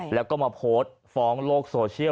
แล้วก็มาโพสต์ฟ้องโลกโซเชียล